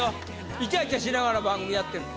イチャイチャしながら番組やってるって。